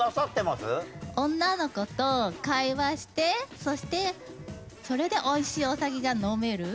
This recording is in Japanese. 女の子と会話してそしてそれで美味しいお酒が飲める？